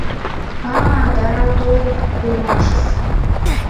А-а, Тайра толын улмашыс!